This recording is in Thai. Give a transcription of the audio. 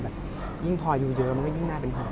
ยิ่งพออยู่เยอะมันก็ยิ่งน่าเป็นพอ